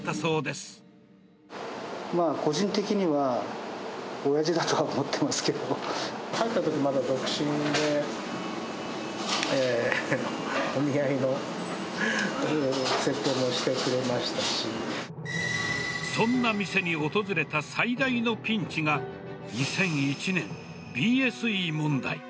そんな店に訪れた最大のピンチが２００１年、ＢＳＥ問題。